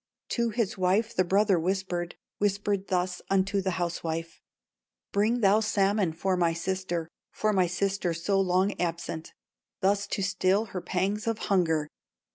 "To his wife the brother whispered, Whispered thus unto the housewife: 'Bring thou salmon for my sister, For my sister so long absent, Thus to still her pangs of hunger.